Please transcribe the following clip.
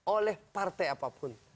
oleh partai apapun